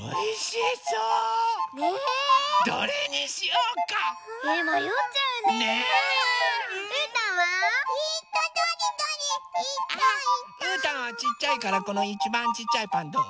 うーたんはちっちゃいからこのいちばんちっちゃいパンどう？